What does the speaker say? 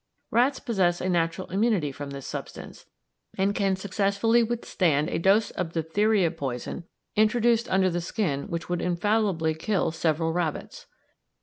Rats possess a natural immunity from this substance, and can successfully withstand a dose of diphtheria poison introduced under the skin which would infallibly kill several rabbits.